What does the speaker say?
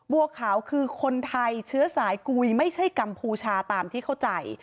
บัวขาวคือคนไทยเชื้อสายกุยไม่ใช่กัมพูชาตามที่เข้าใจ